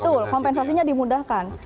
betul kompensasinya dimudahkan